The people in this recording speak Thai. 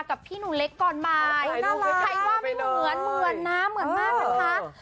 กับพี่หนูเล็กก่อนมายใครว่าไม่เหมือนนะเหมือนมากนะคะ